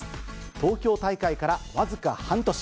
東京大会から僅か半年。